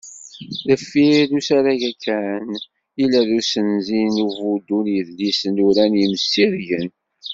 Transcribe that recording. Deffir n usarag-a kan, yella-d usenzi s ubuddu n yidlisen uran yimsirgen.